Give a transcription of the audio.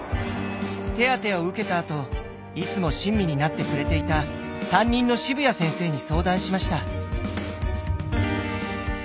手当てを受けたあといつも親身になってくれていた担任の渋谷先生に相談しました。